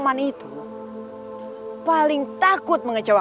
hati hati ted sama karin